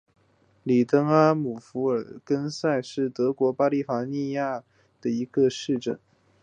里登阿姆福尔根塞是德国巴伐利亚州的一个市镇。